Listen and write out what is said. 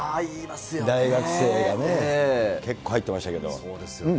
大学生がね、結構入ってましたけそうですよね。